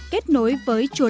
kết nối với chùa